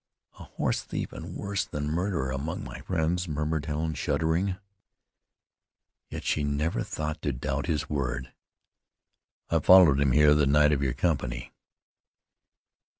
"A horse thief and worse than murderer among my friends!" murmured Helen, shuddering, yet she never thought to doubt his word. "I followed him here the night of your company."